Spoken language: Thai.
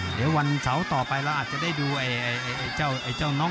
เดี๋ยววันเสาร์ต่อไปแล้วอาจจะได้ดูไอ้เจ้าไอ้เจ้าน้อง